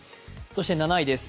７位です。